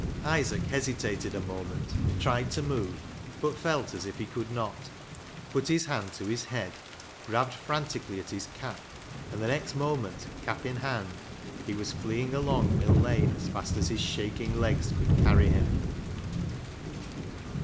Isaac hesitated a moment, tried to move, but felt as if he could not ; put his hand to his head, grabbed frantically at his cap, and the next moment, cap in hand, he was flee ing along Mill Lane as fast as his shaking legs could carry him.